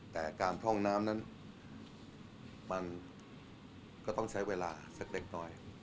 แต่การพร่องน้ำนั้นมันก็ต้องใช้เวลาสักเล็กน้อย